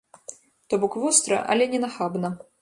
То бок востра, але не нахабна.